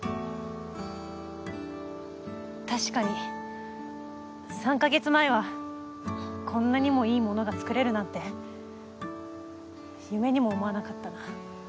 確かに３か月前はこんなにもいいものが作れるなんて夢にも思わなかったな。